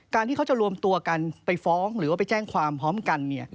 ที่เขาจะรวมตัวกันไปฟ้องหรือว่าไปแจ้งความพร้อมกัน